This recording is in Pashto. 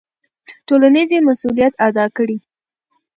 ټولنیز مسوولیت ادا کړئ.